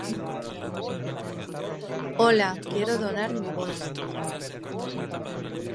Encomienda á Jehová tus obras, Y tus pensamientos serán afirmados.